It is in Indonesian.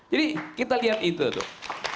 kita lihat itu tuh